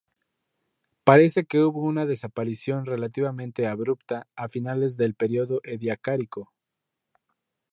Parece que hubo una desaparición relativamente abrupta a finales del periodo Ediacárico.